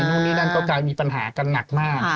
นู่นนี่นั่นก็กลายมีปัญหากันหนักมาก